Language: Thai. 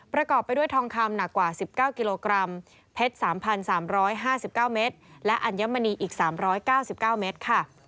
ประกอบไปด้วยทองคำหนักกว่า๑๙กิโลกรัมเพชร๓๓๕๙เมตรและอัญมณีอีก๓๙๙เมตรค่ะ